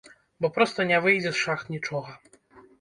Бо проста не выйдзе з шахт нічога.